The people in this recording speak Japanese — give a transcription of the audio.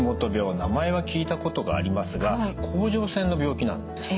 名前は聞いたことがありますが甲状腺の病気なんですね。